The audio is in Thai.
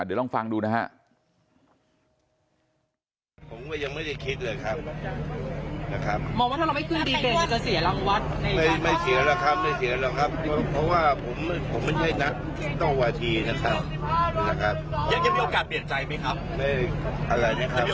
เดี๋ยวลองฟังดูนะฮะ